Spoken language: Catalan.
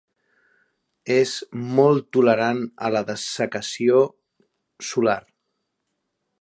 És molt tolerant a la dessecació solar.